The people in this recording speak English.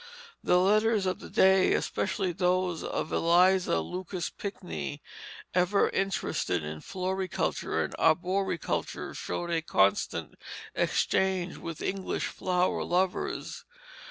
The letters of the day, especially those of Eliza Lucas Pinckney, ever interested in floriculture and arboriculture, show a constant exchange with English flower lovers.